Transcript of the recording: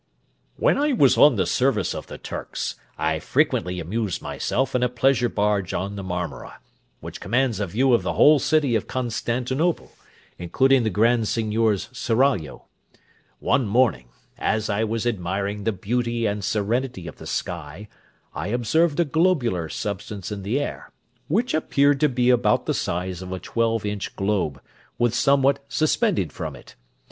_ When I was in the service of the Turks I frequently amused myself in a pleasure barge on the Marmora, which commands a view of the whole city of Constantinople, including the Grand Seignior's Seraglio. One morning, as I was admiring the beauty and serenity of the sky, I observed a globular substance in the air, which appeared to be about the size of a twelve inch globe, with somewhat suspended from it.